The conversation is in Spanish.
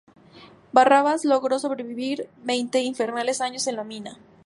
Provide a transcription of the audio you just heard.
Barrabás logra sobrevivir veinte infernales años en la mina.